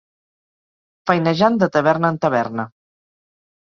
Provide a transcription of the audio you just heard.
Feinejant de taverna en taverna.